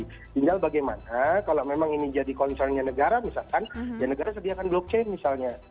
tinggal bagaimana kalau memang ini jadi concernnya negara misalkan ya negara sediakan blockchain misalnya